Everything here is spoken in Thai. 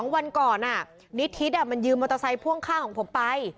๒วันก่อนนิทิศมันยืมมอเตอร์ไซค์พ่วงข้างของผมไป